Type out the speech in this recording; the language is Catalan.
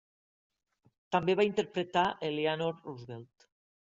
També va interpretar Eleanor Roosevelt.